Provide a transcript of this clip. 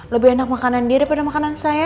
lebih enak makanan dia daripada makanan saya